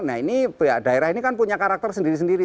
nah ini daerah ini kan punya karakter sendiri sendiri